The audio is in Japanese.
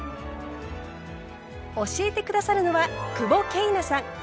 教えて下さるのは久保桂奈さん。